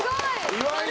岩井